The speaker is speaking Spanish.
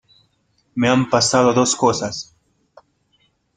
me han pasado dos cosas